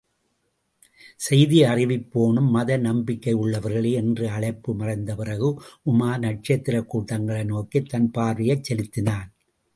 செய்தியறிவிப்போனும், மத நம்பிக்கையுள்ளவர்களே! என்ற அழைப்பும் மறைந்த பிறகு, உமார் நட்சத்திரக் கூட்டங்களை நோக்கித் தன் பார்வையைச் செலுத்தினான்.